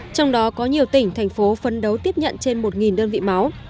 trong đó có nhiều tỉnh thành phố phấn đấu tiếp nhận trên một đơn vị máu